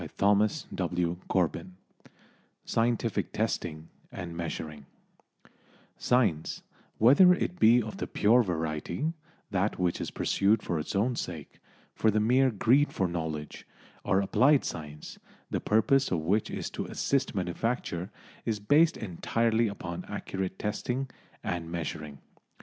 CHAPTER XV SCIENTIFIC TESTING AND MEASURING Science, whether it be of the pure variety, that which is pursued for its own sake for the mere greed for knowledge or applied science, the purpose of which is to assist manufacture, is based entirely upon accurate testing and measuring.